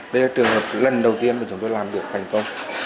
đây là trường hợp lần đầu tiên mà chúng tôi làm được thành công